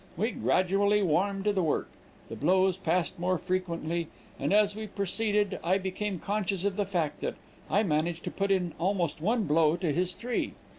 We gradually warmed in the work, the blows passed more frequently, and as we proceeded I became conscious of the fact that I managed to put in almost one blow to his three.